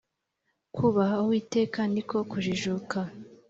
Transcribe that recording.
kubaha uwiteka niko kujijuka